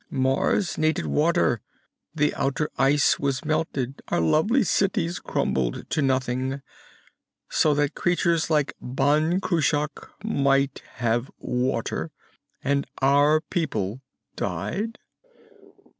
"Mars needed water. The outer ice was melted, our lovely cities crumbled to nothing, so that creatures like Ban Cruach might have water! And our people died.